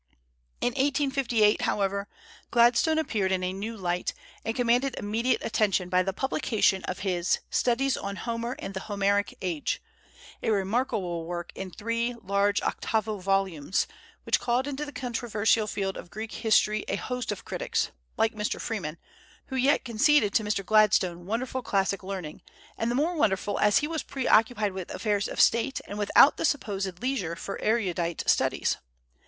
In 1858, however, Gladstone appeared in a new light, and commanded immediate attention by the publication of his "Studies on Homer and the Homeric Age," a remarkable work in three large octavo volumes, which called into the controversial field of Greek history a host of critics, like Mr. Freeman, who yet conceded to Mr. Gladstone wonderful classical learning, and the more wonderful as he was preoccupied with affairs of State, and without the supposed leisure for erudite studies.